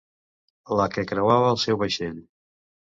La que creuava el seu vaixell.